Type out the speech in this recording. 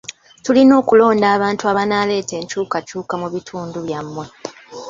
Tulina okulonda abantu abanaaleeta enkyukakyuka mu bitundu bya mmwe.